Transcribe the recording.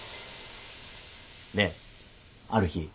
である日。